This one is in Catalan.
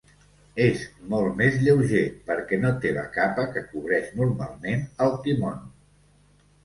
És molt més lleuger perquè no té la capa que cobreix normalment el quimono.